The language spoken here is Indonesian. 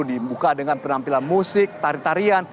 dibuka dengan penampilan musik tarian tarian